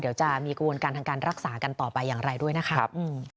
เดี๋ยวจะมีกระบวนการทางการรักษากันต่อไปอย่างไรด้วยนะครับ